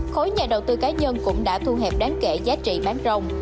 khối nhà đầu tư cá nhân cũng đã thu hẹp đáng kể giá trị bán rồng